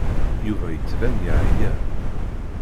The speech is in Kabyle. Yuba yettban yeɛya.